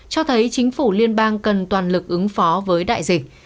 cho thấy chính phủ liên bang cần toàn lực ứng phó với đại dịch